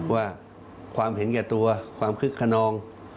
ว่าความเห็นแก่ตัวความคึกขนอง